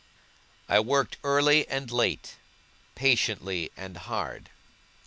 I worked early and late, patiently and hard.